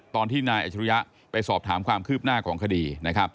ตอนที่นายอัชรุยะไปสอบถามความคืบหน้าของคดีนะครับ